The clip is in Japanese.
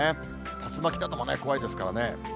竜巻なども怖いですからね。